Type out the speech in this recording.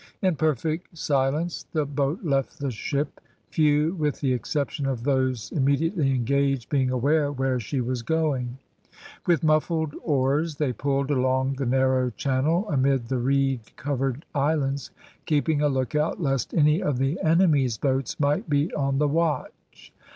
In perfect silence the boat left the ship, few, with the exception of those immediately engaged, being aware where she was going. With muffled oars they pulled along the narrow channel amid the reed covered islands, keeping a lookout lest any of the enemy's boats might be on the watch.